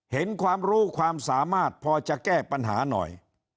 เห็นความรู้ความสามารถพอจะแก้ปัญหาหน่อย